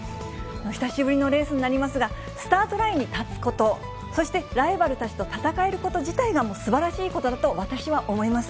久しぶりのレースになりますが、スタートラインに立つこと、そしてライバルたちと戦えること自体が、すばらしいことだと私は思います。